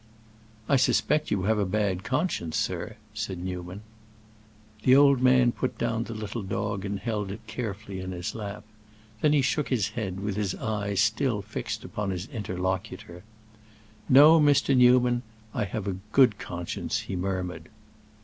"I suspect you have a bad conscience, sir," said Newman. The old man put down the little dog and held it carefully in his lap. Then he shook his head, with his eyes still fixed upon his interlocutor. "No, Mr. Newman, I have a good conscience," he murmured.